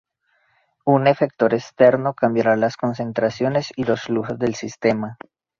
Un efector externo cambiará las concentraciones y los flujos del sistema.